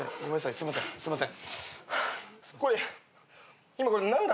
すいませんすいません。